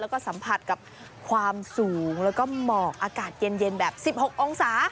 แล้วก็สัมผัสกับความสูงแล้วก็หมอกอากาศเย็นแบบ๑๖องศา